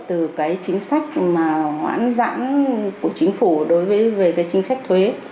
từ cái chính sách mà hoãn giãn của chính phủ đối với về cái chính sách thuế